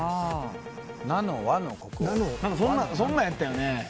そんなんやったよね？